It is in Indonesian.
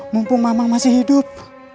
mumpung mamang masih hidup